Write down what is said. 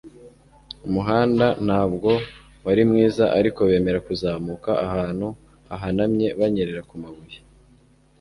Umuhanda ntabwo wari mwiza ariko bemera kuzamuka ahantu hahanamye banyerera ku mabuye.